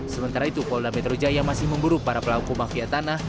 sementara itu polda metro jaya masih memburu para pelaku mafia tanah